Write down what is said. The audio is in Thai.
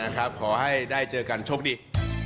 ขอให้ได้เจอกันโชคดี